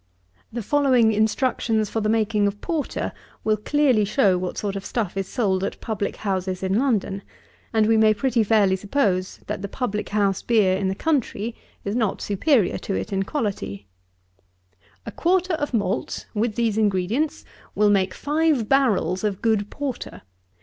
71. The following instructions for the making of porter, will clearly show what sort of stuff is sold at public houses in London; and we may pretty fairly suppose that the public house beer in the country is not superior to it in quality, "A quarter of malt, with these ingredients, will make five barrels of good porter.